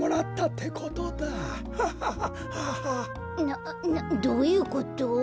などういうこと？